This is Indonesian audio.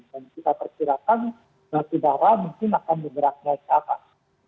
dan kita persirakan batu darah mungkin akan bergerak naik ke atas